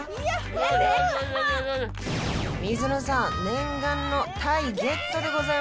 念願のタイゲットでございます